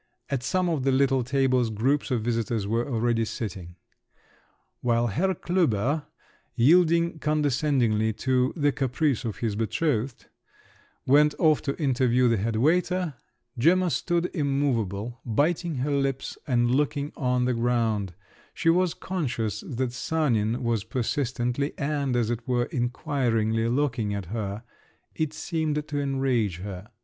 At some of the little tables, groups of visitors were already sitting. While Herr Klüber, yielding condescendingly to "the caprice of his betrothed," went off to interview the head waiter, Gemma stood immovable, biting her lips and looking on the ground; she was conscious that Sanin was persistently and, as it were, inquiringly looking at her—it seemed to enrage her.